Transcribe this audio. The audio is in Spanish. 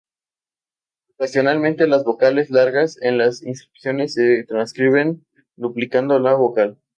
Ocasionalmente las vocales largas en las inscripciones se transcriben duplicando la vocal.